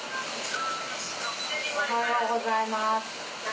おはようございます。